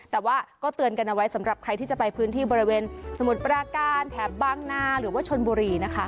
แต่ว่าก็เตือนกันเอาไว้สำหรับใครที่จะไปพื้นที่บริเวณสมุทรปราการแถบบางนาหรือว่าชนบุรีนะคะ